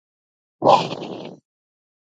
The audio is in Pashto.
په درېیمه برخه کې د محمد علي کدیور موندنې دي.